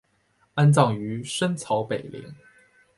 安葬于深草北陵。